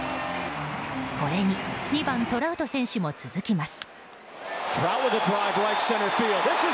これに２番トラウト選手も続きます。